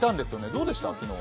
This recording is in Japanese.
どうでした昨日？